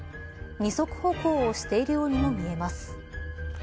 二足歩行をしているようにも見えます。